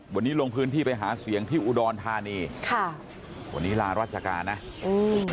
วันนี้ลงพื้นที่ไปหาเสียงที่อุดรธานีค่ะวันนี้ลาราชการนะอืม